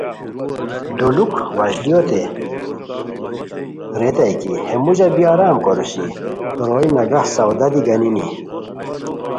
دولوک واشلیوت ریتائے کی ہے موژہ بی آرام کوروسی روئے نگہ سودا دی گانینی